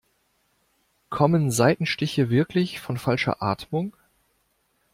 Kommen Seitenstiche wirklich von falscher Atmung?